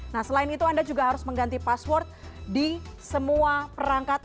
nah selain itu anda juga harus mengganti password di semua perangkat